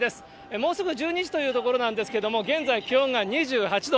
もうすぐ１２時というところなんですけれども、現在、気温が２８度。